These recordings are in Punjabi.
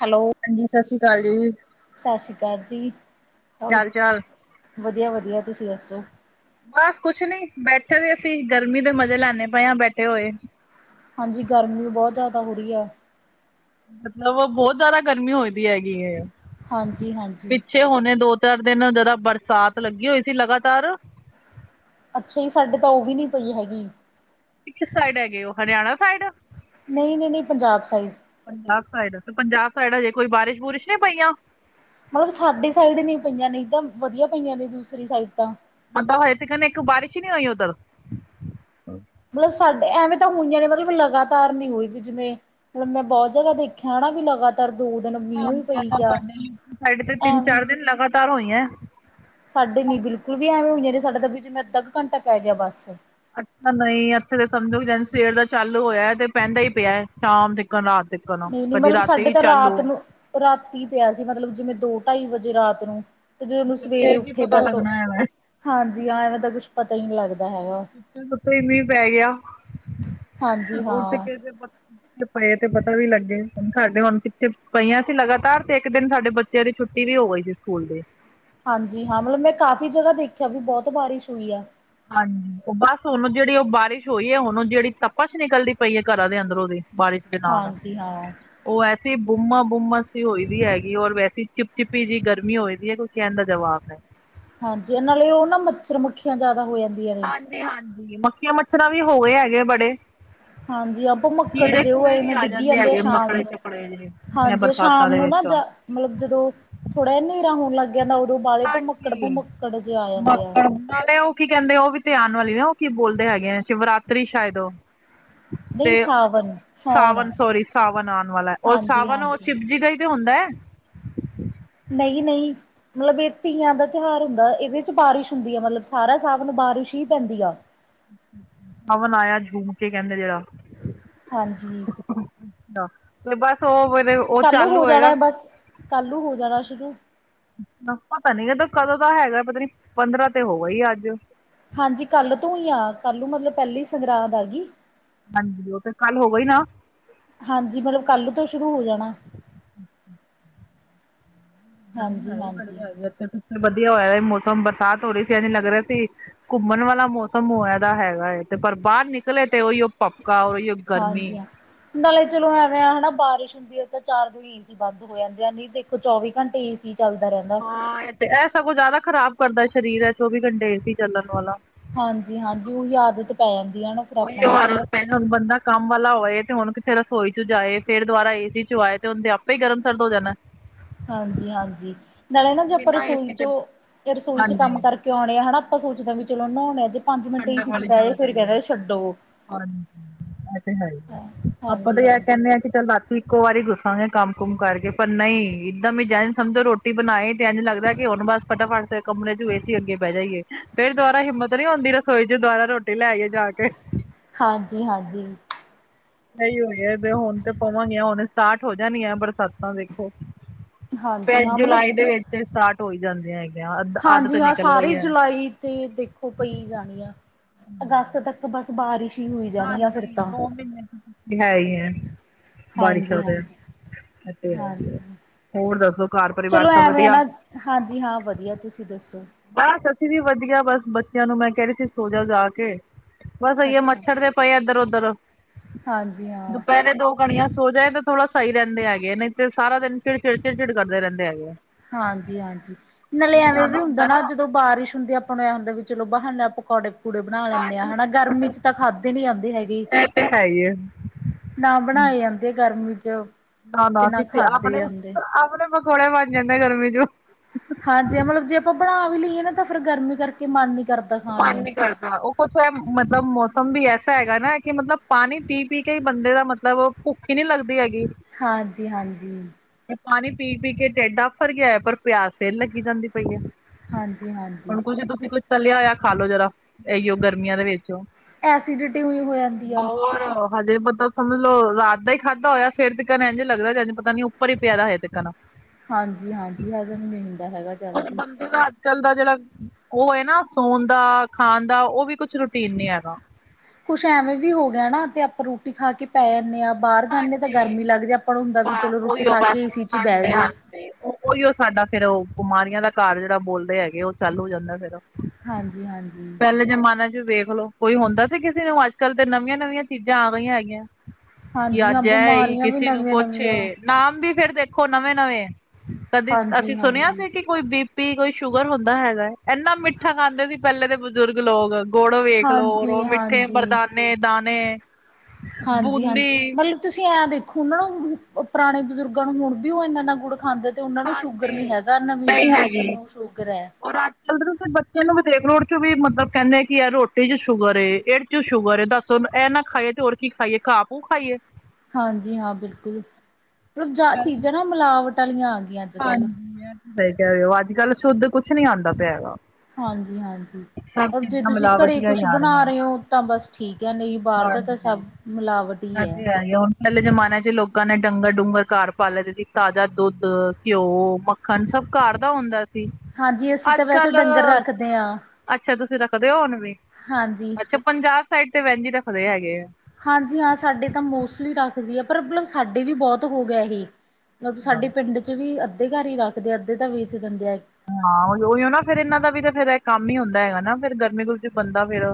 ਹੈਲੋ, ਹਾਂਜੀ ਸਤਿ ਸ਼੍ਰੀ ਅਕਾਲ ਜੀ। ਸਤਿ ਸ਼੍ਰੀ ਅਕਾਲ ਜੀ, ਕੀ ਹੋਰ ਹਾਲ ਚਾਲ ਵਧੀਆ- ਵਧੀਆ ਤੁਸੀ ਦੱਸੋ? ਬਸ ਕੁਛ ਨੀ ਬੈਠੇ ਵੇ ਸੀ ਗਰਮੀ ਦੇ ਮਜੇ ਲੈਨੇ ਪਏ ਆ ਬੈਠੇ ਹੋਏ। ਹਾਂਜੀ ਗਰਮੀ ਵੀ ਬੋਤ ਜਿਆਦਾ ਹੋ ਰਹੀ ਐ। ਮਤਲਬ ਬੋਤ ਜਿਆਦਾ ਗਰਮੀ ਹੋਈ ਵੀ ਹੈਗੀ ਐਂ। ਹਾਂਜੀ- ਹਾਂਜੀ। ਪਿੱਛੇ ਹੋਣੇ ਦੋ- ਤਿੰਨ ਦਿਨ ਜਰਾ ਬਰਸਾਤ ਲੱਗੀ ਹੋਈ ਸੀ ਲਗਾਤਾਰ। ਅੱਛਾ ਜੀ ਸਾਡੇ ਤਾ ਉਹ ਵੀ ਨੀ ਪਈ ਹੈਗੀ। ਕਿਸ ਸਾਈਡ ਹੈਗੇ ਹੋ ਹਰਿਆਣਾ ਸਾਈਡ? ਨਹੀ- ਨਹੀ, ਨਹੀ ਪੰਜਾਬ ਸਾਈਡ। ਪੰਜਾਬ ਸਾਈਡ ਤੇ ਪੰਜਾਬ ਸਾਈਡ ਹਜੇ ਕੋਈ ਬਾਰਿਸ਼- ਬੁਰਿਸ਼ ਨਹੀ ਪਈਆਂ। ਮਤਲਬ ਸਾਡੇ ਸਾਈਡ ਨਹੀਂ ਪਈਆਂ ਨਈ ਤਾਂ ਵਧੀਆ ਪਈਆਂ ਨੇ ਦੂਸਰੀ ਸਾਈਡ ਤਾਂ ਅਦਾ ਹਏ 'ਤਨਕ ਇੱਕ ਬਾਰਿਸ਼ ਹੀ ਨਹੀਂ ਹੋਈ ਉਧਰ। ਮਤਲਬ ਸਾਡੇ ਐਵੇਂ ਤਾਂ ਹੋਈਆਂ ਨੇ ਮਤਲਬ ਲਗਾਤਾਰ ਨੀ ਹੋਈ ਵੀ ਜਿਵੇਂ ਮਤਲਬ ਮੈਂ ਬੋਹ ਜਗਾ ਦੇਖਿਆ ਹਨਾ ਵੀ ਲਗਾ ਪਰ ਦੋ ਦਿਨ ਮੀਂਹ ਹੀ ਹਾਂਜੀ, ਪਈ ਇਧਰ ਗਿਆ। ਸਾਡੇ ਆਲੀ ਸਾਇਡ ਤੇ ਐਵੇਂ ਤਿੰਨ-ਚਾਰ ਦਿਨ ਲਗਾਤਾਰ ਹੋਈਆਂ। ਸਾਡੇ ਨੀ ਬਿਲਕੁਲ ਵੀ ਐਵੇਂ ਹੋਈਆਂ ਨੇ ਸਾਡੇ ਦਾ ਬੀ ਜੇ ਅੱਧਾ ਅ ਕੁ ਘੰਟਾ ਪੈ ਗਿਆ ਬੱਸ। ਅੱਛਾ ਨਹੀਂ, ਇੱਥੇ ਤਾਂ ਸਮਝੋ ਸਵੇਰ ਦਾ ਚਾਲੂ ਹੋਇਆ 'ਤੇ ਪੈਂਦਾ ਹੀ ਪਿਆ ਸ਼ਾਮ ਤ ਕਨ ਰਾਤ ਤ ਨਹੀਂ-ਨਹੀਂ, ਮਤਲਬ ਸਾਡੇ ਤਾਂ ਰਾਤ ਨੂੰ ਰਾਤੀ ਪਿਆ ਸੀ, ਮਤਲਬ ਜਿਵੇਂ ਦੋ- ਢਾਈ ਵਜੇ ਰਾਤ ਨੂੰ। ਤੇ ਜਦੋਂ ਸਵੇਰੇ ਫੇਰ ਕੀ ਉੱਠੇ ਪਤਾ ਬਸ ਲੱਗਣਾ ਹੈਗਾ ਹਾਂਜੀ ਹਾਂ, ਓ ਤਾਂ ਕੁਛ ਪਤਾ ਹੀ ਨਹੀਂ ਲਗਦਾ ਹੈਗਾ। ਤੇ ਮੀਂਹ ਪੈ ਗਿਆ, ਹਾਂਜੀ ਉਹ ਤੇ ਹਾਂ ਕਿਸੇ ਦੇ ਪਏ 'ਤੇ ਪਤਾ ਵੀ ਲੱਗੇ, ਸਾਡੇ ਹੁਣ ਕਿੱਥੇ ਪਈਆਂ ਸੀ ਲਗਾਤਾਰ ਤੇ ਇੱਕ ਦਿਨ ਸਾਡੇ ਬੱ ਤੇਰੀ ਛੁੱਟੀ ਵੀ ਹੋ ਗਈ ਸੀ ਸਕੂਲ ਦੀ। ਹਾਂਜੀ-ਹਾਂ, ਮਤਲਬ ਮੈਂ ਕਾਫ਼ੀ ਜਗ੍ਹਾ ਦੇਖਿਆ ਵੀ ਬਹੁਤ ਬਾਰਿਸ਼ ਹੋਈ ਆ। ਹਾਂਜੀ, ਬਸ ਉਹਨੂੰ ਜਿਹੜੀ ਉਹ ਬਾਰਿਸ਼ ਹੋਈ ਐ, ਉਹਨੂੰ ਜਿਹੜੀ ਤਪਸ਼ ਨਿਕਲਦੀ ਪਈ ਏ, ਘਰਾਂ ਦੇ ਅੰਦਰ ਉਹਦੀ ਬਾਰਿਸ਼ ਦੇ ਨਾਲ ਹਾਂਜੀ ਹਾਂ ਉਹ ਐਸੀ ਬੁਮਾ-ਬੁਮਾਸ ਦੀ ਹੋਈਦੀ ਹੈਗੀ, ਔਰ ਵੈਸੀ ਚਿਪ-ਚਿਪੀ ਜਿਹੀ ਗਰਮੀ ਹੋਈਦੀ ਏ, ਕੁਛ ਕਹਿਣ ਦਾ ਜਵਾਬ ਹੈ। ਹਾਂਜੀ, ਇਹ ਨਾਲੇ ਉਹ ਨਾ ਮੱਛਰ-ਮੱਖੀਆਂ ਜ਼ਿਆਦਾ ਹੋ ਜਾਂ ਹਾਂਜੀ-ਹਾਂਜੀ, ਮੱਖੀਆਂ-ਮੱਛਰਾਂ ਵੀ ਹੋ ਗਏ ਹੈਗੇ, ਬੜੇ। ਹਾਂਜੀ, ਆ ਭਮੱਕੜ ਕੀੜੇ ਜੇ ਉਹ ਕੂੜੇ ਵੀ ਐਵੇਂ ਡਿੱਗੀ ਜਾਂਦੇ ਆ ਹੈਗੇ ਸ਼ਾਮ ਮੱਕੜੇ ਨੂੰ, ਚੱਕੜੇ ਜਿਹੇ ਇਹ ਹਾਂਜੀ, ਬਰਸਾਤਾਂ ਸ਼ਾਮ ਦੇ ਨੂੰ ਨਾ ਵਿੱਚ ਜਾ ਮਤਲਬ ਜਦੋਂ ਥੋੜਾ ਜਾ ਹਨੇਰਾ ਹੋਣ ਲੱਗ ਜਾਂਦਾ, ਉਦੋਂ ਬਾਅਲੇ ਹਾਂਜੀ ਭਮੱਕੜ-ਭੁੰਮੱਕੜ ਜੇ ਆ ਜਾਂਦੇ ਆ। ਮੱਕੜ ਨਾਲੇ ਉਹ ਕੀ ਕਹਿੰਦੇ ਉਹ ਵੀ 'ਤੇ ਆਣ ਵਾਲੀ ਨੇ ਉਹ ਕੀ ਬੋਲਦੇ ਹੈਗੇ ਆ, ਸ਼ਿਵਰਾਤਰੀ ਸ਼ਾਇਦ ਉਹ। ਤੇ ਨਹੀਂ ਸਾਵਣ [inaudible] ਸਾਉਣ ਸਾਵਨ ਸੋਰੀ, ਸਾਵਨ ਆਣ ਵਾਲਾ ਏ, ਉਹ ਸਾਵਨ ਉਹ ਹਾਂਜੀ-ਹਾਂਜੀ, ਸ਼ਿਵਜੀ ਦਾ ਈ ਹੁੰਦਾ ਐ। ਨਹੀਂ-ਨਹੀਂ। ਮਤਲਬ ਇਹ ਤੀਆਂ ਦਾ ਤਿਉਹਾਰ ਹੁੰਦਾ, ਇਹਦੇ 'ਚ ਬਾਰਿਸ਼ ਹੁੰਦੀ ਆ ਮਤਲਬ ਸਾਰਾ ਸਾਵਨ ਬਾਰਿਸ਼ ਹੀ ਪੈਂਦੀ ਆ। ਹਵਨ ਆਇਆ ਝੂਮਕੇ ਕਹਿੰਦੇ ਜਿਹੜਾ। ਹਾਂਜੀ। ਅੱਛਾ, ਬਸ ਉਹ ਫੇਰ ਉਹ ਕੱਲ ਨੂੰ ਚਾਲੂ ਹੋ ਜਾਣਾ ਹੋਏਗਾ ਏ ਬਸ, ਕੱਲ ਨੂੰ ਹੋ ਜਾਣਾ ਸ਼ੁਰੂ। ਪਤਾ ਨੀ ਕਦਾ ਕਦੋਂ ਦਾ ਹੈਗਾ, ਪਤਾ ਨੀ ਪੰਦਰਾਂ ਤੇ ਹੋ ਗਈ ਅੱਜ। ਹਾਂਜੀ, ਕੱਲ ਤੋਂ ਈ ਆ, ਕੱਲ ਨੂੰ ਮਤਲਬ ਪਹਿਲੀ ਸੰਗਰਾਦ ਆਗੀ। ਹਾਂਜੀ, ਉਹ ਤੇ ਕੱਲ ਹੋ ਗਈ ਨਾ? ਹਾਂਜੀ, ਮਤਲਬ ਕੱਲ ਤੋਂ ਸ਼ੁਰੂ ਹੋ ਜਾਣਾ। ਹਾਏ, ਹਾਏ, ਹਾਂਜੀ-ਹਾਂਜੀ, ਹਾਏ, ਹਾਏ ਇੱਥੇ ਮੌਸਮ ਵਧੀਆ ਹੋਇਆ ਇੱਥੇ ਸ ਵਧੀਆ ਹੋਇਆ ਮੌਸਮ ਬਰਸਾਤ ਹੋ ਰਹੀ ਸੀ, ਇੰਝ ਲੱਗ ਰਿਹਾ ਸੀ। ਘੁੰਮਣ ਵਾਲਾ ਮੌਸਮ ਹੋਇਆ ਤਾਂ ਹੈਗਾ ਏ, ਤੇ ਪਰ ਬਾਹਰ ਨਿਕਲੇ ਤੇ ਉਹੀ ਓ ਪੱਕਾ ਓਹੀ ਗਰਮੀ ਹਾਂਜੀ ਹਾਂ। ਨਾਲੇ ਚਲੋ ਐਵੇਂ ਆ ਹਨਾ, ਬਾਰਿਸ਼ ਹੁੰਦੀ ਆ ਤਾਂ ਚਾਰ ਦਿਨ ਏਸੀ ਬੰਦ ਹੋ ਜਾਂਦੇ ਆ, ਦੇਖੋ ਚੌਵੀ ਘੰਟੇ ਏਸੀ ਚੱਲਦਾ ਰਹਿੰਦਾ। ਹਾਂ ਤੇ ਐ ਸਗੋਂ ਜ਼ਿਆਦਾ ਖ਼ਰਾਬ ਕਰਦਾ ਸ਼ਰੀਰ, ਐ ਚੌਵੀ ਘੰਟੇ ਸੀ ਚੱਲਣ ਵਾਲਾ। ਹਾਂਜੀ-ਹਾਂਜੀ, ਉਹੀ ਆਦਤ ਪੈ ਜਾਂਦੀ ਆ ਨਾ। ਫਿਰ ਆਪਾਂ ਨੂੰ। ਓਈਓ ਕਹਿੰਦੇ ਹੁਣ ਬੰਦਾ ਕੰਮ ਵਾਲਾ ਹੋਏ, ਤੇ ਹੁਣ ਕਿੱਥੇ ਰਸੋਈ 'ਚ ਜਾਏ ਫ਼ਿਰ ਦੁਆਰਾ ਏਸੀ 'ਚੋ ਆਏ ਤੇ ਉਦੇਂ ਆਪ ਈ ਗਰਮ-ਸਰਦ ਹੋ ਜਾਨਾ। ਹਾਂਜੀ-ਹਾਂਜੀ, ਨਾਲੇ ਨਾ ਜੇ ਆਪਾਂ ਬਿਨਾਂ ਏਸੀ ਦੇ ਰਸੋਈ'ਚੋ ਇਹ ਰਸੋਈ'ਚ ਕੰਮ ਹਾਂਜੀ ਕਰ ਕਿਉਂ ਆ ਹਨਾ, ਆਪਾਂ ਸੋਚਦੇ ਵੀ ਚਲੋ ਨਹਾਉਣੇ ਆ, ਜੇ ਪੰਜ ਮਿੰਟ ਏਸੀ 'ਚ ਬਹਿਜਾ ਫਿਰ ਕਹਿੰਦੇ ਛੱਡੋ। ਹਾਂ, ਇਹ ਤੇ ਹੈ ਹੀ, ਆਪਾਂ ਤੇ ਇਹ ਹਾਂਜੀ-ਹਾਂਜੀ। ਕਹਿੰਦੇ ਆਂ ਕਿ ਚੱਲ ਬਾ ਇੱਕੋ ਵਾਰੀ ਗੁੱਸਾਂਗੇ ਕੰਮ-ਕੁਮ ਕਰਕੇ, ਪਰ ਨਹੀਂ, ਏਦਾਂ ਮੈ ਜਾਏ ਸਮਝੋ ਰੋਟੀ ਬਨਾਏ ਤੇ ਇੰਝ ਲੱਗਦਾ ਕਿ ਹੁਣ ਬਸ ਫਟਾਫਟ ਕਮਰੇ 'ਚ ਏਸੀ ਅੱਗੇ ਬਹਿ ਜਾਈਏ, ਫੇਰ ਦੁਬਾਰਾ ਹਿੰਮਤ ਨੀ ਹੁੰਦੀ ਰਸੋਈ 'ਚ ਦੁਆਰਾ ਰੋਟੀ ਲੈ ਆਈਏ ਜਾਕੇ। ਹਾਂਜੀ-ਹਾਂਜੀ। ਸਹੀ ਹੋਈ ਏ, ਹੁਣ ਤੇ ਪਵਾਂਗੇ ਹੁਣ ਸਟਾਰਟ ਹੋ ਜਾਣੀਆਂ ਬਰਸਾਤਾਂ ਦੇਖੋ। ਹਾਂਜੀ ਹਾਂਜੀ ਫਿਰ ਹਾਂ ਮਤਲਬ ਜੁਲਾਈ ਦੇ ਵਿੱਚ ਸਟਾਰਟ ਹੋਈ ਜਾਂਦੀਆਂ ਹੈ ਹੈਗੀਆਂ ਅੱਧ ਅੱਧ ਤੇ ਹਾਂਜੀ-ਹਾਂ, ਨਿਕਲ ਗਈ ਸਾਰੇ ਜੁਲਾਈ ਤੇ ਦੇਖੋ ਪਈ ਜਾਣੀ ਆ, ਅਗਸਤ ਤੱਕ ਬਸ ਬਾਰਿਸ਼‌। ਹਾਂਜੀ ਦੋ ਮਹੀਨੇ [unintelligible] ਹੈ ਹੀ ਐ। ਹਾਂਜੀ-ਹਾਂਜੀ, ਤੇ ਹੈ ਹੀ ਹੈ। ਹਾਂਜੀ ਹੋਰ ਦੱਸੋ ਘਰ ਪਰਿਵਾਰ ਚਲੋ ਸਭ ਐਵੇਂ ਐ ਵਧੀਆ? ਨਾ ਹਾਂਜੀ, ਹਾਂ ਵਧੀਆ ਤੁਸੀਂ ਦੱਸੋ? ਬਸ ਅਸੀਂ ਵੀ ਵਧੀਆ, ਬਸ ਬੱਚਿਆਂ ਨੂੰ ਮੈਂ ਕਹਿ ਰਹੀ ਸੀ ਸੋਜਾ ਜਾ ਕੇ, ਬਸ [unintelligible] ਆਈਓ ਅੱਛਾ ਮੱਛਰ ਦੇ ਪਏ ਇੱਧਰ-ਉਧਰ ਹਾਂਜੀ ਹਾਂ ਦੁਪਹਿਰੇ ਦੋ ਘਣਿਆ ਸੋ ਜਾਏ ਤਾਂ ਥੋੜਾ ਸਹੀ ਰਹਿੰਦੇ ਹੈਗੇ ਨੇ, ਤੇ ਸਾਰਾ ਦਿਨ ਚਿੜ-ਚਿੜ, ਚਿੜ-ਚਿੜ ਕਰਦੇ ਰਹਿੰਦੇ ਹੈਗੇ ਆ। ਹਾਂਜੀ-ਹਾਂਜੀ, ਨਾਲੇ ਐਵੇਂ ਵੀ ਹੁੰਦਾ ਨਾ ਜਦੋਂ ਬਾਰਸ਼ ਹੁੰਦੀ, ਆਪਾਂ ਨੂੰ ਇਹ ਹੁੰਦਾ ਵੀ ਚਲੋ ਬਹਾਨਾ ਪਕੌੜੇ ਪੂੜੇ ਬਣਾ ਲੈਂਨੇ ਆ ਹਾਂਜੀ ਹਨਾ, ਗਰਮੀ 'ਚ ਤਾਂ ਖਾਂਦੇ ਨਹੀ ਜਾਦੇ ਹੈਗੀ। ਇਹ ਤੇ ਹੈ ਹੀ ਏ ਨਾ ਬਣਾਏ ਜਾਂਦੇ ਆ, ਗਰਮੀ 'ਚ ਤੇ ਨਾ ਖਾਂਦੇ ਜਾਂਦੇ ਆ। ਆਪਣੇ ਪਕੌੜੇ ਬਣ ਜਾਂਦੈ ਗਰਮੀ 'ਚ। ਹਾਂਜੀੇ, ਮਤਲਬ ਜੇ ਆਪਾਂ ਬਣਾ ਵੀ ਲਈਏ ਨਾ, ਤਾਂ ਫਿਰ ਗਰਮੀ ਕਰਕੇ ਮਨ ਨੀ ਕਰਦਾ ਖਾਣ ਮਨ ਨੂੰ। ਨੀ ਕਰਦਾ ਉਹ ਕੁਛ ਐ, ਮ ਮਤਲਬ ਮੌਸਮ ਵੀ ਐਸਾ ਹੈਗਾ ਨਾ, ਕਿ ਮਤਲਬ ਪਾਣੀ ਪੀ - ਪੀ ਕੇ, ਹੀ ਬੰਦੇ ਦਾ ਮਤਲਬ ਮਤਲਬ ਉਹ ਭੁੱਖ ਹੀ ਨੀ ਲੱਗਦੀ ਹੈਗੀ। ਹਾਂਜੀ-ਹਾਂਜੀ। ਪਾਣੀ ਪੀ-ਪੀ ਕੇ ਟਿੱਡ ਆਫਿਰ ਗਿਆ ਐ, ਪਰ ਪਿਆਸ ਫਿਰ ਲੱਗੀ ਜਾਂਦੀ। ਪਈ ਆ, ਹਾਂਜੀ ਹਾਂਜੀ ਹੁਣ ਕੁਛ ਤੁਸੀਂ ਕੁਛ ਤਲਿਆ ਹੋਇਆ ਖਾਹ ਲੋ ਜਰਾ, ਇਹੀਓ ਗਰਮੀਆਂ ਦੇ ਵਿੱਚ ਉਹ। ਐਸੀਡਿਟੀ ਹੋਈ ਹੋ ਜਾਂਦੀ ਆ ਹੋਰ। ਹਜੇ ਪਤਾ ਸਮਝ ਲੋ ਰਾਤ ਦਾ ਹੀ ਖਾਧਾ ਹੋਇਆ, ਸਵੇਰ ਤੱਕ ਇੰਝ ਲੱਗਦਾ ਪਤਾ ਨੀ, ਉੱਪਰ ਹੀ ਪਿਆ ਦਾ ਹਜੇ ਤੱਕ। ਹਾਂਜੀ-ਹਾਂਜੀ, ਹਜਮ ਨਹੀਂ ਹੁੰਦਾ ਹੈਗਾ। ਜਲਦੀ [unintelligible] ਚੱਲਦਾ ਜਿਹੜਾ ਉਹ ਹੈ ਨਾ, ਸੋਣ ਦਾ, ਖਾਣ ਦਾ ਉਹ ਵੀ ਕੁਛ ਰੂਟੀਨ ਨੀ ਹੈਗਾ। ਕੁਛ ਐਵੇਂ ਵੀ ਹੋ ਗਿਆ ਨਾ, ਤੇ ਆਪਾਂ ਰੋਟੀ ਖਾ ਕੇ ਪੈ ਜਾਂਨੇ ਆ ਬਾਹਰ ਜਾਂਨੇ ਤਾਂ, ਹਾਂਜੀ ਗਰਮੀ ਲੱਗਦੀ ਆਪਾ ਨੂੰ ਹੁੰਦਾ ਵੀ ਬਸ ਚਲੋ ਰੋਟੀ ਖਾ ਕੇ ਏ - ਸੀ 'ਚ ਬਹਿ ਜਾਉ। ਉਹੀਉ ਸਾਡਾ ਫੇਰ, ਉਹ ਬਿਮਾਰੀਆਂ ਦਾ ਘਰ ਜਿਹੜਾ ਬੋਲਦੇ ਹੈਗੇ ਉਹ, ਚਾਲੂ ਹੋ ਜਾਂਦਾ ਫਿਰ। ਹਾਂਜੀ-ਹਾਂਜੀ। ਪਹਿਲੇ ਜ਼ਮਾਨੇ 'ਚ ਵੇਖਲੋ ਕੋਈ ਹੁੰਦਾ ਸੀ, ਕਿਸੇ ਨੂੰ, ਅੱਜ- ਕੱਲ ਤੇ, ਨਵੀਆਂ ਨਵੀਆਂ ਚੀਜ਼ਾਂ ਆ, ਗਈਆਂ ਹੈਗੀਆਂ। ਕਿ ਹਾਂਜੀ ਹਾਂ ਅੱਜ ਐ ਈ, ਬਿਮਾਰੀਆਂ ਵੀ ਕਿਸੇ ਨੂੰ ਨਵੀਆਂ ਕੁੱਛ ਨਵੀਆਂ ਨਾਮ ਵੀ ਫਿਰ ਦੇਖੋ ਨਵੇਂ-ਨਵੇਂ ਐ। ਕਦੀਂ ਅਸੀਂ ਹਾਂਜੀ ਸੁਣਿਆ ਹਾਂਜੀ ਸੀ ਕਿ ਕੋਈ ਬੀ - ਪੀ, ਕੋਈ ਸ਼ੂਗਰ ਹੁੰਦਾ ਹੈਗਾ। ਇੰਨਾ ਮਿੱਠਾ ਖਾਂਦੇ ਸੀ, ਪਹਿਲੇ ਦੇ, ਬਜ਼ੁਰਗ ਲੋਗ। ਗੁੜ ਵੇਖਲੋ, ਔਰ ਹਾਂਜੀ ਉਹ ਮਿੱਠੇ ਹਾਂਜੀ ਮਰਦਾਨੇ, ਦਾਣੇ ਬੂਦ ਹਾਂਜੀ ਮਤਲਬ ਤੁਸੀਂ ਐਂ ਦੇਖੋ ਨਾ, ਪੁਰਾਣੇ ਬਜ਼ੁਰਗਾਂ ਨੂੰ, ਹੁਣ ਵੀ ਉਹ ਇੰਨਾ - ਇੰਨਾ ਗੁੜ ਖਾਂਦੇ। ਤੇ ਉਹਨਾਂ ਨੂੰ ਸ਼ੂਗਰ ਹਾਂਜੀ ਨੀ ਹੈਗਾ, ਨਵੀਂ ਜਨਰੇਸ਼ਨ ਨੂੰ ਸ਼ੂਗਰ ਐ। ਚੱਲਦੇ ਬੱਚਿਆਂ ਨੂੰ ਵੀ ਦੇਖਲੋ, ਉਹਦੇ 'ਚ ਵੀ ਮਤਲਬ ਕਹਿੰਦੇ ਕਿ ਐ ਰੋਟੀ 'ਚ ਸ਼ੂਗਰ ਐ ਇਹ 'ਚ ਵੀ ਸ਼ੂਗਰ ਏ, ਦੱਸ ਸੁਣ, ਇਹ ਨਾ ਖਾਈਏ ਤੇ ਹੋਰ ਕੀ, ਖਾਈਏ ਕਾਹ ਪੂ ਖਾਈਏ। ਹਾਂਜੀ, ਹਾਂ ਬਿਲਕੁਲ, ਮਤਲਬ ਜਾ ਚੀਜ਼ਾਂ ਨਾ, ਮਿਲਾਵਟ ਵਾਲੀਆਂ ਆ ਗਈਆ। ਹਾਂਜੀ, ਇਹ ਤੇ ਸਹੀ ਕਹਿ ਰਹੇ ਹੋ, ਅੱਜ - ਕੱਲ ਸ਼ੁੱਧ ਕੁਛ ਨੀ ਆਂਦਾ ਪਿਆ ਹਗਾ। ਹਾਂਜੀ-ਹਾਂਜੀ। ਉਹ ਜੇ, ਤੁਸੀਂ ਘਰੇ ਮਿਲਾਵਟੀਆਂ ਹੀ ਕੁਛ ਆ ਬਣਾ ਰਹੀਆਂ। ਰਹੇ ਹੋ ਤਾਂ, ਬਸ ਠੀਕ ਹੈ ਨਹੀਂ ਬਾਹਰ ਦਾ ਤਾਂ ਹਾਂਜੀ। ਸਭ ਮਿਲਾਵਟ ਇਹ ਹੀ ਹੈ। ਤੇ ਹੀ ਆ। ਹੁਣ ਪਹਿਲੇ ਜ਼ਮਾਨੇ 'ਚ ਲੋਕਾਂ ਨੇ ਡੰਗਰ-ਡੂੰਗਰ ਘਰ ਪਾਲ ਲੇਂਦੇ ਸੀ। ਤਾਜ਼ਾ ਦੁੱਧ ਘਿਓ, ਮੱਖਣ ਸਭ ਘਰ ਦਾ ਹੁੰਦਾ ਸੀ। ਜੀ ਹਾਂਜੀ ਅਸੀਂ ਤਾਂ ਵੈਸੇ ਡੰਗਰ ਅੱਜ-ਕੱਲ੍ਹ ਰੱਖਦੇ ਹਾਂ [inaudible] ਅੱਛਾ ਤੁਸੀਂ ਰੱਖਦੇ ਹੋ, ਹੁਣ ਵੀ ਹਾਂਜੀ। ਅੱਛਾ ਪੰਜਾਬ ਸਾਈਡ ਤੇ ਵੈਸੇ ਈ ਰੱਖਦੇ ਹੈਗੇ ਐ। ਹਾਂਜੀ ਹਾਂ ਸਾਡੇ ਤਾਂ ਮੋਸਟਲੀ ਰੱਖਦੀ ਐ ਪਰ ਮਤਲਬ ਸਾਡੇ ਵੀ ਬੋਤ ਹੋ ਗਿਆ ਹੀ। ਮਤਲਬ ਸਾਡੇ ਪਿੰਡ ਚ ਵੀ ਅੱਧੇ ਘਰ ਹੀ ਰੱਖਦੇ ਅੱਧੇ ਤਾਂ ਵੇਚ ਦਿੰਦੇ ਆ। ਹਾਂ ਉਹੀਓ ਨਾਂ ਫਿਰ ਇਨਾਂ ਦਾ ਵੀ ਤਾਂ ਫੇਰ ਕੰਮ ਹੀ ਹੁੰਦਾ ਹੈਗਾ ਨਾਂ ਫਿਰ ਗਰਮੀ-ਗੁਰਮੀ ਚ ਬੰਦਾ ਫਿਰ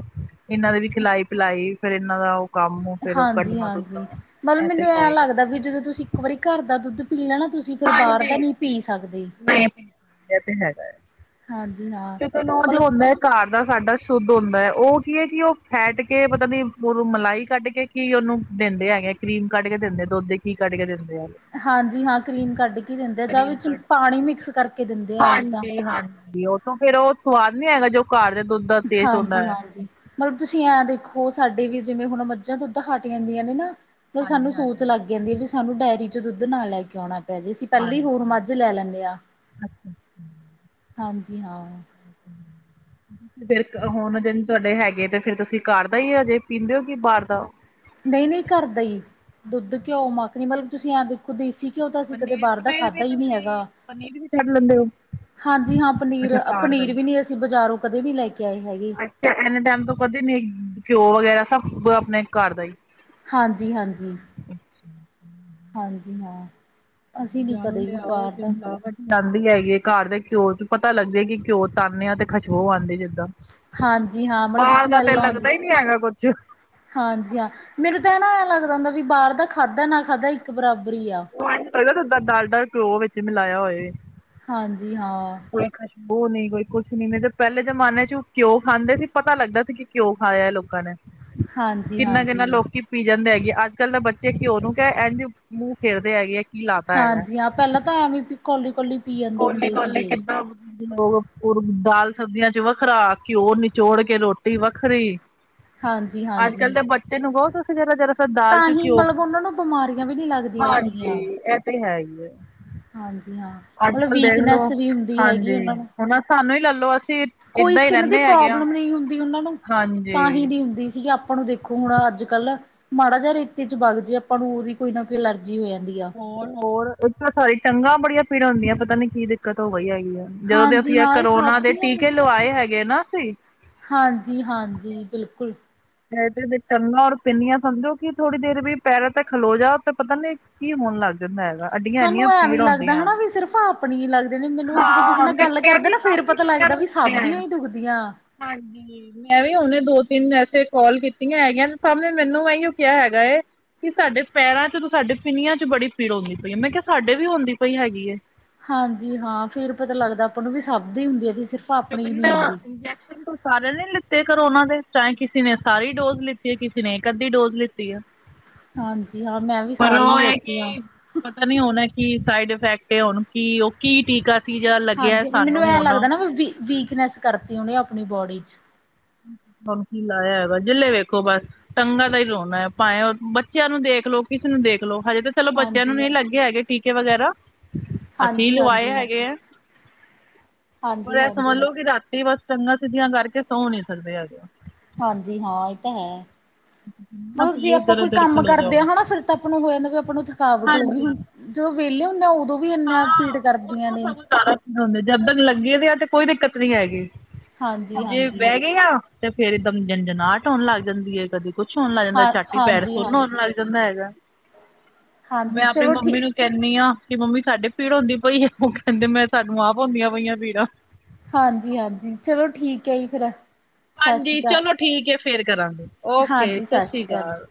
ਇਨਾਂ ਦੀ ਵੀ ਖਿਲਾਈ-ਪਿਲਾਈ ਫਿਰ ਇਹਨਾਂ ਦਾ ਉਹ ਕੰਮ ਫੇਰ ਕੱਢਣਾ ਹਾਂਜੀ-ਹਾਂਜੀ ਕੁਢਣਾ ਮਤਲਬ ਇਹ ਤੇ ਮੈਨੂੰ ਹੈ ਐ ਹੀ। ਆ। ਲੱਗਦਾ ਵੀ ਜਦੋਂ ਤੁਸੀਂ ਇੱਕ ਵਾਰੀ ਕਾਰ ਦਾ ਦੁੱਧ ਪੀ ਲਿਆ ਤੁਸੀਂ ਫੇਰ ਬਾਰ ਦਾ ਨੀ ਪੀ ਸਕਦੇ। ਮੈਂ ਐ ਤੇ ਹੈਗਾ ਏ। ਹਾਂਜੀ ਹਾਂ। ਜੇ ਕੋਈ ਨੋਜ ਮਤਲਬ ਹੁੰਦਾ ਕਾਰ ਦਾ ਸਾਡਾ ਸ਼ੁੱਧ ਹੁੰਦਾ ਉਹ ਕੀ ਐ ਕਿ ਓ ਫੈਟ ਕੇ ਪਤਾ ਨੀ ਮਲਾਈ ਕੱਢ ਕੇ ਕੀ ਉਨੂੰ ਦਿੰਦੇ ਹੈਗੇ ਕਰੀਮ ਕੱਢ ਕੇ ਦਿੰਦੇ ਦੁੱਧ ਦੇ ਕੀ ਕੱਢ ਕੇ ਦਿੰਦੇ ਐ। ਹਾਂਜੀ ਹਾਂ ਕਰੀਮ ਕੱਢ ਕੇ ਦਿੰਦੇ ਆ ਜਾਂ ਵਿੱਚ ਕੱਢ ਪਾਨੀ ਮਿਕਸ ਕਰਕੇ ਦਿੰਦੇ ਆ ਉਹ ਤਾ। ਵੀ ਉਹ ਤੋਂ ਫੇਰ ਉਹ ਸਵਾਦ ਨੀ ਹੈਗਾ ਜੋ ਘਰ ਦੇ ਦੁੱਧ ਦਾ ਟੇਸਟ ਹੁੰਦਾ ਐ। ਹਾਂਜੀ-ਹਾਂਜੀ। ਮਤਲਬ ਤੁਸੀਂ ਐ ਦੇਖੋ ਸਾਡੇ ਵੀ ਜਿਵੇਂ ਹੁਣ ਮੱਝਾਂ ਦੁੱਧ ਹਟ ਜਾਂਦੀਆਂ ਨੇ ਨਾ ਮਤਲਬ ਸਾਨੂੰ ਹਾਂਜੀ ਸੋਚ ਹਾਂਜੀ। ਲੱਗ ਜਾਂਦੀ ਐ ਵੀ ਸਾਨੂੰ ਡਾਇਰੀ ਚ ਦੁੱਧ ਨਾਲ ਲੈ ਕੇ ਆਉਣਾ ਪੈਜੇ ਅਸੀਂ ਪਹਿਲੇ ਹੋਰ ਹਾਂਜੀ ਮੱਝ ਲੈ ਲੈਂਦੇ ਆ ਅੱਛਾ। ਹਾਂਜੀ ਹਾਂ। [inaudible] ਫੇਰ ਹੁਣ ਜਿਨ ਤੁਹਾਡੇ ਹੈਗੇ ਤੇ ਫੇਰ ਤੁਸੀਂ ਕਾਰ ਦਾ ਹੀ ਹਜੇ ਪੀਂਦੇ ਹੋ ਕਿ ਬਾਰ ਦਾ। ਨਈ-ਨਈ ਕਰਦਾ ਹੀ ਦੁੱਧ, ਘਿਓ, ਮੱਖਣੀ ਮਤਲਬ ਤੁਸੀਂ ਆ ਦੇਖੋ ਦੇਸੀ ਘਿਓ ਤਾਂ ਅਸੀਂ ਕਦੇ ਪਨੀਰ ਬਾਰ ਦਾ ਪਨੀਰ ਖਾਧਾ ਵੀ ਹੀ ਨੀ ਤੁਸੀਂ ਹੈਗਾ। ਪਨੀਰ ਵੀ ਛੱਡ ਲੈਂਦੇ ਹੋ ਹਾਂਜੀ ਹਾਂ ਅੱਛਾ ਘਰ ਦਾ ਪਨੀਰ-ਪਨੀਰ ਹੀ। ਵੀ ਨੀਂ ਅਸੀਂ ਬਾਜ਼ਾਰੋਂ ਕਦੇ ਵੀ ਲੈ ਕੇ ਆਏ ਹੈਗੇ। ਅੱਛਾ ਐਨੇ ਟੈਮ ਤੋਂ ਕਦੇ ਨੀ ਘਿਓ ਵਗੈਰਾ ਸਭ ਆਪਣੇ ਕਾਰ ਦਾ ਈ। ਹਾਂਜੀ-ਹਾਂਜੀ। ਹਾਂਜੀ ਹਾਂ ਅਸੀਂ ਨੀ ਕਦੇ ਵੀ ਬਾਰ ਦਾ ਜਾਂਦੀ ਹੈਗੀ ਐ ਕਾਰ ਦੇ ਘਿਓ ਚ ਪਤਾ ਲੱਗੇ ਕਿ ਘਿਓ ਤਾਂਨੇ ਆ ਤੇ ਖਸ਼ਬੋ ਆਂਦੀ ਜਿੱਦਾ। ਹਾਂਜੀ ਹਾਂ ਮਤਲਬ ਬਾਰ ਦਾ ਤੇ ਸਮੈਲ ਆਉਂਦੀ ਲੱਗਦਾ ਈ ਨੀ ਹੈਗਾ ਕੁੱਛ। ਹਾਂਜੀ ਹਾਂ ਮੈਨੂੰ ਤਾਂ ਨਾ ਐ ਲੱਗਦਾ ਹੁੰਦਾ ਵੀ ਬਾਰ ਦਾ ਖਾਧਾ ਨਾ ਖਾਧਾ ਇੱਕ ਬਰਾਬਰ ਈ ਆ। ਔ ਏਂਜ ਲਗਦਾ ਜਿਦਾ ਡਾ ਡਾਲਡਾ ਘਿਓ ਵਿੱਚ ਮਿਲਾਇਆ ਹੋਏ। ਹਾਂਜੀ ਹਾਂ। ਕੋਈ ਖੁਸ਼ਬੂ ਨੀ ਕੋਈ ਕੁਛ ਨੀ, ਨੀ ਤੇ ਪੈਲੇ ਜਮਾਨੇ ਚ ਘਿਉ ਖਾਂਦੇ ਸੀ ਪਤਾ ਲੱਗਦਾ ਸੀ ਕਿ ਘਿਉ ਖਾਇਆ ਲੋਕਾਂ ਨੇ। ਹਾਂਜੀ ਕਿੰਨਾ-ਕਿੰਨਾ ਹਾਂਜੀ ਲੋਕੀ ਪੀ ਜਾਂਦੇ ਹੈਗੇ ਅੱਜ-ਕੱਲ ਦੇ ਬੱਚੇ ਘਿਓ ਨੂੰ ਕਹਿ ਏਝ ਮੂੰਹ ਫੇਰਦੇ ਹੈਗੇ ਕੀ ਲਾਤਾ ਹਾਂਜੀ ਹਾਂ ਪੈਲਾਂ ਤਾਂ ਐਵੇ ਵੀ ਕੋਲੀ-ਕੋਲੀ ਕੋਲੀ-ਕੋਲੀ ਕਿੱਦਾ ਲੋਕ ਦਾਲ ਸਬਜ਼ੀਆਂ ਚ ਵੱਖਰਾ, ਘਿਓ ਨਿਚੋੜ ਕੇ ਰੋਟੀ ਵੱਖਰੀ। ਹਾਂਜੀ ਅੱਜ-ਕੱਲ ਹਾਂਜੀ ਦੇ ਬੱਚੇ ਨੂੰ ਕੋ ਤੂਸੀ ਜਰਾ-ਜਰਾ ਦਾਲ ਤਾਂ ਚ ਹੀ ਘਿਓ, ਮਤਲਬ ਉਹਨਾਂ ਨੂੰ ਬਿਮਾਰੀਆਂ ਵੀ ਨਹੀਂ ਲੱਗਦੀਆਂ ਸੀਗੀਆਂ ਹਾਂਜੀ ਐ ਤੇ ਹੈ ਈ ਏ। ਹਾਂਜੀ ਹਾਂ। ਮਤਲਬ ਅੱਜ-ਕੱਲ ਦੇਖਲੋ ਵੀਕਨੈਸ ਵੀ ਹੁੰਦੀ ਹੈਗੀ ਹਾਂਜੀ ਉਹਨਾਂ ਨੂੰ ਹੁਣ ਸਾਨੂੰ ਹੀ ਲੈਲੋ ਅਸੀਂ ਕੋਈ ਏਦਾਂ ਹੀ ਸਕਿੰਨ ਦੀ ਰਹਿੰਦੇ ਹੈਗੇ ਆ ਪ੍ਰੋਬਲਮ ਨੀ ਹੁੰਦੀ ਓਨਾਂ ਨੂੰ ਤਾਂਹੀ ਹਾਂਜੀ ਨੀ ਹੁੰਦੀ ਸੀਗੀ ਆਪਾਂ ਨੂੰ ਦੇਖ ਹੁਣ ਅੱਜ-ਕੱਲ ਮਾੜਾ ਜਾ ਰੇਤੇ ਚ ਬਾਗ ਜੇ ਆਪਾਂ ਨੂੰ ਹੋਰ ਈ ਕੋਈ ਨਾ ਕੋਈ ਅਲਰਜੀ ਹੋ ਜਾਂਦੀ। ਆ ਹੋਰ-ਹੋਰ ਇੱਥ ਸਾਰੀ ਟੰਗਾਂ ਬੜੀਆਂ ਪੀੜਾਂ ਹੁੰਦੀਆਂ ਪਤਾ ਨੀ ਕੀ ਦਿੱਕਤ ਹੋ ਗਈ ਹੈਗੀ ਐ। ਜਦੋਂ ਦੇ ਹਾਂਜੀ ਅਸੀਂ ਐ ਹਾਂ ਇਹ ਕਰੋਨਾ ਸਭ ਦੇ ਦੀਆਂ ਟੀਕੇ ਲਵਾਏ ਹੈਗੇ ਨਾ ਅਸੀਂ। ਹਾਂਜੀ-ਹਾਂਜੀ ਬਿਲਕੁਲ ਤੇ ਟੰਗਾਂ ਔਰ ਪਿੰਨੀਆਂ ਸਮਝੋ ਕਿ ਥੋੜੀ ਦੇਰ ਵੀ ਪੈਰਾਂ ਤੇ ਖਲੋ ਜਾਓ ਤੇ ਪਤਾ ਨੀ ਕੀ ਹੋਨ ਲੱਗ ਜਾਂਦਾ ਹੈਗਾ ਅੱਡੀਆਂ ਸਾਨੂੰ ਇੰਨੀਆਂ ਪੀੜ ਐਵੇਂ ਲੱਗਦਾ ਹੁੰਦੀਆਂ। ਹਨਾ ਵੀ ਸਿਰਫ਼ ਆਪਣੀ ਹੀ ਲਾਗਦੇ ਨੇ ਮੈਨੂੰ ਜਦੋਂ ਕਿਸੇ ਹਾਂ ਨਾਲ ਮੈਂ ਗੱਲ ਮੈਂ ਕਰਦੇ ਵੀ ਨਾ ਫੇਰ ਕਾਫ਼ੀ ਪਤਾ ਜਣਿਆਂ ਲੱਗਦਾ ਨੂੰ ਵੀ ਸੁਣਿਆ ਸਭ ਦੀਆਂ ਹੈ। ਹੀ ਦੁਖਦੀਆਂ ਹਾਂਜੀ ਮੈਂ ਵੀ ਹੁਣ ਦੋ ਤਿੰਨ ਐਸੇ ਕਾਲ ਕੀਤੀਆਂ ਹੈਗੀਆਂ ਸਭ ਨੇ ਮੈਨੂੰ ਇਹੀਓ ਕਿਹਾ ਹੈਗਾ। ਕਿ ਸਾਡੇ ਪੈਰਾਂ ਚ ਤੇ ਸਾਡੇ ਪਿੰਨੀਆਂ ਚ ਬੜੀ ਪੀੜ ਹੁੰਦੀ ਪਈ ਹੈ ਮੈਂ ਕਿਹਾ ਸਾਡੇ ਵੀ ਹੁੰਦੀ ਪਈ ਹੈਗੀ ਏ। ਹਾਂਜੀ ਹਾਂ ਫਿਰ ਪਤਾ ਲੱਗਦਾ ਆਪਾਂ ਨੂੰ ਵੀ ਸਭ ਦੀ ਹੁੰਦੀ ਏ ਕੇ ਸਿਰਫ ਰੁ ਆਪਣੀ ਨੀ ਹੁੰਦੀ ਇੰੈਸ਼ਨ [unintelligible] [unintelligible] ਸਾਰੇ ਨੇ ਲਿੱਤੇ ਕਰੋਨਾ ਦੇ ਚਾਹੇ ਕਿਸੇ ਨੇ ਸਾਰੀ ਡੋਜ਼ ਲਿੱਤੀ ਹੈ ਕਿਸੇ ਨੇ ਇੱਕ ਅੱਧੀ ਡੋਜ਼ ਲਿੱਤੀ ਹੈ। ਹ [inaudible] [inaudible] ਹਾਂਜੀ ਹਾਂ ਮੈਂ ਵੀ ਸਾਰੀ ਹੀ ਲੈਤੀ ਹੁ। ਪਤਾ ਨੀ ਹੋਨ ਇਹ ਕੀ ਸਾਈਡ ਇਫੈਕਟ ਏ ਹੁਨ ਕੀ ਉਹ ਕੀ ਟੀਕਾ ਸੀ ਜਿਹੜਾ ਲੱਗਿਆ ਹਾਂਜੀ ਮੈਨੂੰ ਸਾਨੂੰ ਐ ਹੁਣ ਲੱਗਦਾ ਨਾ ਮੈਂ ਵੀ ਵੀਕਨੈਸ ਕਰਤੀ ਉਹਨੇ ਆਪਣੀ ਬੋਡੀ ਚ ਹੁਨ ਕੀ ਲਾਇਆ ਹੈਗਾ ਜਿਸ ਲੇ ਵੇਖੋ ਬਸ ਟੰਗਾ ਦਾ ਹੀ ਰੋਂਨਾ ਹੈ ਭਾਏ ਉਹ ਬੱਚੇਆਂ ਨੂੰ ਦੇਖ ਲੋ ਕਿਸੇ ਨੂੰ ਦੇਖ ਲੋ ਹਜੇ ਤੇ ਚਲੋ ਬੱਚੇਆਂ ਨੂੰ ਹਾਂਜੀ, ਨਹੀਂ ਲੱਗੇ ਹੈਗੇ ਟੀਕੇ ਵਗੈਰਾ, ਅਸੀਂ ਹਾਂਜੀ, ਲਵਾਏ ਹਾਂਜੀ, ਹੈਗੇ ਹੈ। ਪਰ ਹਾਂਜੀ, ਇਹ ਸਮਝ ਹਾਂਜੀ। ਲਓ ਕਿ ਰਾਤੀ ਬਸ ਟੰਗਾ ਸਿੱਧੀਆਂ ਕਰਕੇ ਸੌ ਨੀ ਸਕਦੇ ਹੈਗੇ। ਹਾਂਜੀ ਹਾਂ ਇਹ ਤਾਂ ਹੈ। ਨਾ ਮਤਲਬ ਜੇ ਪੀੜ ਆਪਾਂ ਕੋਈ ਦਰਦ ਦਰ ਕੰਮ ਖਲੋ ਕਰਦੇ ਜਾਓ ਹਨਾ ਫਿਰ ਤਾਂ ਆਪਾਂ ਨੂੰ ਹੋ ਜਾਦਾ ਵੀ ਆਪਾਂ ਨੂੰ ਥਕਾਵਟ ਹੋਗੀ ਹਾਂਜੀ ਹੁਣ ਜਦੋਂ ਵਿਹਲੇ ਹੁੰਨੇ ਆ ਉਦੋਂ ਵੀ ਇੰਨਾ ਪੀੜ ਹਾਂ ਉਹ ਕਰਦੀਆਂ ਤਾਂ ਨੇ। ਸਾਨੂੰ ਸਾਰਾ ਜਦ ਤਕ ਲੱਗੇ ਦੇ ਆ ਤੇ ਕੋਈ ਦਿੱਕਤ ਨੀ ਹੈਗੀ, ਹਾਂਜੀ, ਜੇ ਹਾਂਜੀ, ਬਹਿ ਗਏ ਆ ਤੇ ਫੇਰ ਇੱਕਦਮ ਜੰਜਨਾਹਟ ਹੋਨ ਲੱਗ ਜਾਂਦੀ ਹੈ ਕਦੀ। ਕੁੱਛ ਹੋਨ ਲੱਗ ਜਾਂਦਾ ਹਾਂ ਝਟ ਹੀ ਪੈਰ ਹਾਂਜੀ, ਸੁਨ ਹੋਨ ਹਾਂਜੀ। ਲੱਗ ਜਾਂਦਾ ਹੈਗਾ। ਹਾਂਜੀ ਮੈਂ ਅਪਨੀ ਚਲੋ ਮੰਮੀ ਠੀਕ ਨੂੰ ਕਹਿੰਨੀ ਆ ਕਿ ਮੰਮੀ ਸਾਡੇ ਪੀੜ ਹੁੰਂਦੀ ਪਈ ਏ ਉਹ ਕਹਿੰਦੇ ਮੈਂ ਸਾਨੂੰ ਆਪ ਹੋਂਦੀਆਂ ਪਈਆਂ ਪੀੜਾਂ। ਹਾਂਜੀ-ਹਾਂਜੀ ਚਲੋ ਠੀਕ ਹੈ ਜੀ ਫੇਰ ਹਾਂਜੀ ਚਲੋ ਠੀਕ ਹੈ ਫੇਰ ਕਰਾਂਗੇ ਓਕੇ ਹਾਂਜੀ ਸਤ ਸਤਿ ਸ੍ਰੀ ਸ਼੍ਰੀ ਅਕਾਲ ਜੀ। ਕਾਲ।